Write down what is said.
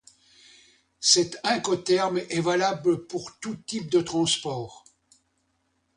Cet incoterm est valable pour tous types de transport.